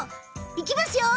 いきますよ。